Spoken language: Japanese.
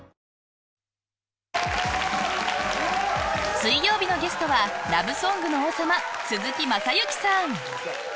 水曜日のゲストはラブソングの王様、鈴木雅之さん。